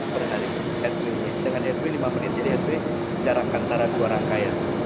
per hari dengan headway lima menit jadi headway jarak antara dua rangkaian